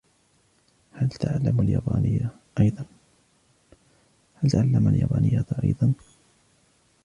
هل تَعَلَمَ اليابانية أيضاً؟